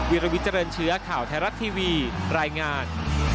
วิลวิเจริญเชื้อข่าวไทยรัฐทีวีรายงาน